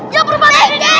ya permada ini